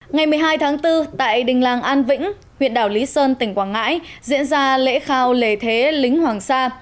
ngày một mươi hai tháng bốn tại đình làng an vĩnh huyện đảo lý sơn tỉnh quảng ngãi diễn ra lễ khao lề thế lính hoàng sa